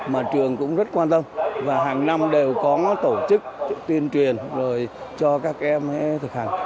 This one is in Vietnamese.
mà trường cũng rất quan tâm và hàng năm đều có tổ chức tuyên truyền rồi cho các em thực hành